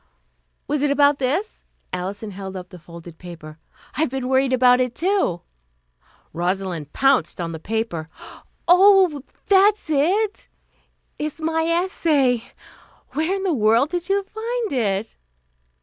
"Was it about this?" Alison held up the folded paper. "I've been worried about it, too." Rosalind pounced on the paper. "Oh, that's it. It's my essay. Where in the world did you find it?"